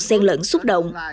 sen lẫn xúc động